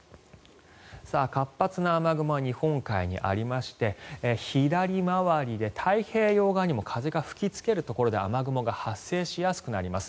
活発な雨雲は日本海にありまして左回りで、太平洋側にも風が吹きつけるところで雨雲が発生しやすくなります。